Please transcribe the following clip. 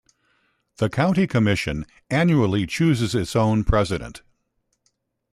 The County Commission annually chooses its own president.